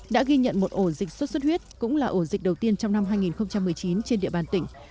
đã ghi nhận một ổ dịch xuất xuất huyết cũng là ổ dịch đầu tiên trong năm hai nghìn một mươi chín trên địa bàn tỉnh